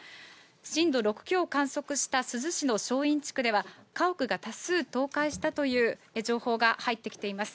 震度６強を観測した珠洲市の正院地区では、家屋が多数倒壊したという情報が入ってきています。